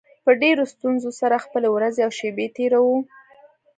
په ډېرو ستونزو سره خپلې ورځې او شپې تېروو